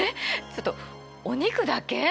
ちょっとお肉だけ？